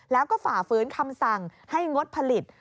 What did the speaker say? แล้วก็ฝ่าฟื้นคำสั่งให้งดผลิต